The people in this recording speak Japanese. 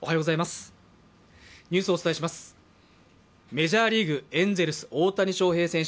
メジャーリーグ、エンゼルス・大谷翔平選手